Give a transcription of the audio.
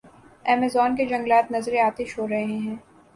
Amazon کے جنگلات نذرِ آتش ہو رہے ہیں۔